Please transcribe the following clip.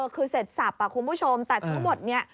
คือเสร็จสับคุณผู้ชมแต่ทั้งหมดเนี่ย